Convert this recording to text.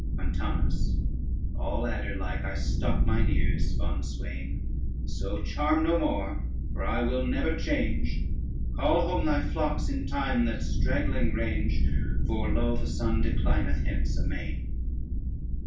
] MONTANUS All adder like I stop mine ears, fond swain, So charm no more, for I will never change. Call home thy flocks in time that straggling range, For lo, the sun declineth hence amain.